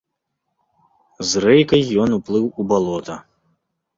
З рэйкай ён уплыў у балота.